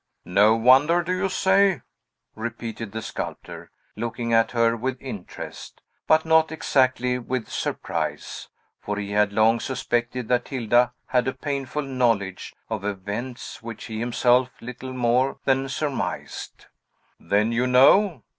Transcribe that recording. "No wonder, do you say?" repeated the sculptor, looking at her with interest, but not exactly with surprise; for he had long suspected that Hilda had a painful knowledge of events which he himself little more than surmised. "Then you know!